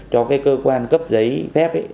cho cơ quan cấp giấy phép